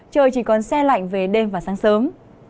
trời chỉ còn xe lạnh về đêm và sáng sớm